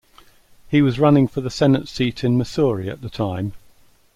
He was running for the senate seat in Missouri at the time.